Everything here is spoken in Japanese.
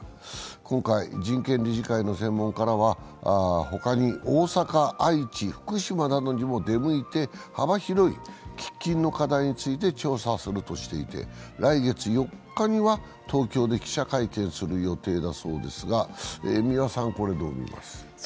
今回、人権理事会の専門家らは他に大阪、愛知、福島などにも出向いて幅広い喫緊の課題について調査するとしていて、来月４日には東京で記者会見する予定だそうですがこれどうみますか？